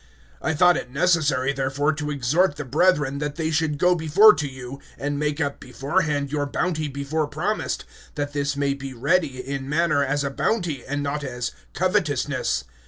(5)I thought it necessary, therefore, to exhort the brethren, that they should go before to you, and make up beforehand your bounty before promised, that this may be ready, in manner as a bounty and not as covetousness.